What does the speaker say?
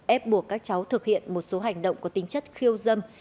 ép buộc các cháu thực hiện một số hành động có tính chất khiêu dâm